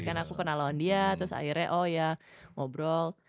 karena aku kenal lawan dia terus akhirnya oh ya ngobrol